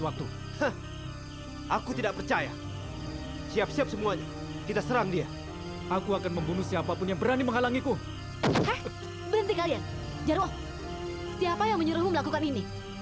aku tidak percaya apa yang kau katakan